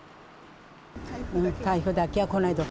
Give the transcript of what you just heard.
台風だけは来ないで。